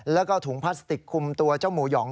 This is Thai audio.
แล้วก็ถุงพลาสติกคุมตัวเจ้าหมูหยอง